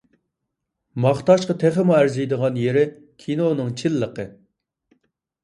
ماختاشقا تېخىمۇ ئەرزىيدىغان يېرى، كىنونىڭ چىنلىقى.